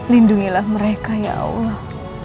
lindungilah mereka ya allah